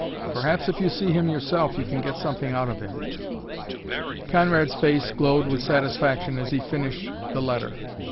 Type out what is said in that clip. Perhaps if you see him yourself you can get something out of him." Conrad's face glowed with satisfaction as he finished the letter.